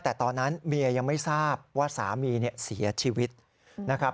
แต่ตอนนั้นเมียยังไม่ทราบว่าสามีเสียชีวิตนะครับ